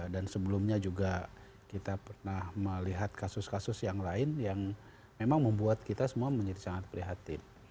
dan sebelumnya juga kita pernah melihat kasus kasus yang lain yang memang membuat kita semua menjadi sangat prihatin